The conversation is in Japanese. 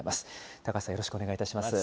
高橋さん、よろしくお願いいたします。